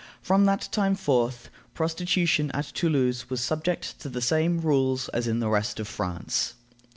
From that time forth, prostitution at Toulouse was subject to the same rules as in the rest of France.